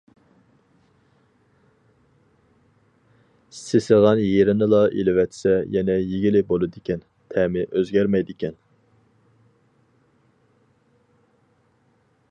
سېسىغان يېرىنىلا ئېلىۋەتسە، يەنە يېگىلى بولىدىكەن، تەمى ئۆزگەرمەيدىكەن.